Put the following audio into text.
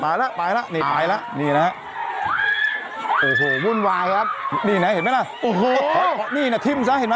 อันนี้คือข่าวเก่าใช่ไหมฮะ